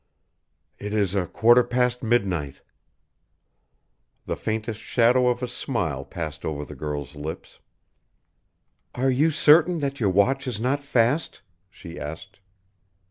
"It is a quarter past midnight." The faintest shadow of a smile passed over the girl's lips. "Are you certain that your watch is not fast?" she asked.